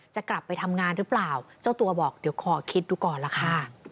จะกลับไปทำงานหรือเปล่าเจ้าตัวบอกเดี๋ยวขอคิดดูก่อนล่ะค่ะ